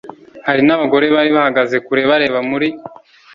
hari n abagore bari bahagaze kure bareba muri